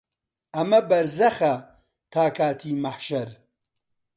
ئەمە بەرزەخە تا کاتی مەحشەر